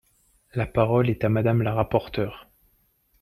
La parole est à Madame la rapporteure.